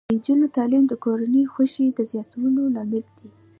د نجونو تعلیم د کورنۍ خوښۍ زیاتولو لامل دی.